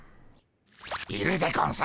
いるでゴンス！